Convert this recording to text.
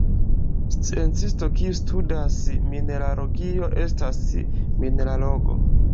Sciencisto kiu studas mineralogio estas mineralogo.